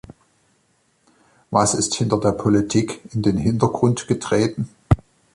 Was ist hinter der Politik in den Hintergrund getreten?